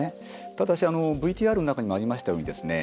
ただし、ＶＴＲの中にもありましたようにですね